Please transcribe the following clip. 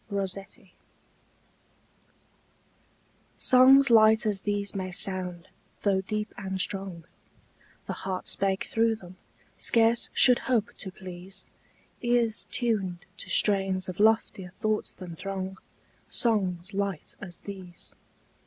ROSSETTI SONGS light as these may sound, though deep and strong The heart spake through them, scarce should hope to please Ears tuned to strains of loftier thoughts than throng Songs light as these.